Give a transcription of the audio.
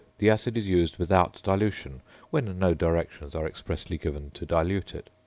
The acid is used without dilution when no directions are expressly given to dilute it.